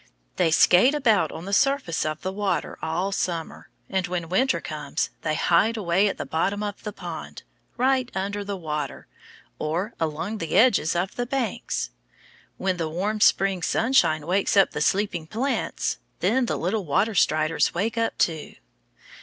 They skate about on the surface of the water all summer, and when winter comes they hide away at the bottom of the pond, right under the water, or along the edges of the banks. When the warm spring sunshine wakes up the sleeping plants, then the little water striders wake up too.